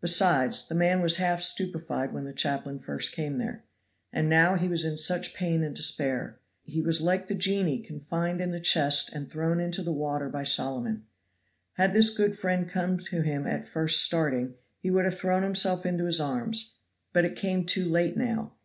Besides, the man was half stupefied when the chaplain first came there. And now he was in such pain and despair. He was like the genii confined in the chest and thrown into the water by Soliman. Had this good friend come to him at first starting, he would have thrown himself into his arms; but it came too late now.